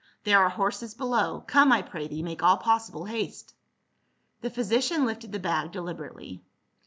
" There are horses below. Come, I pray thee, make all pos sible haste." The physician lifted the bag deliberately.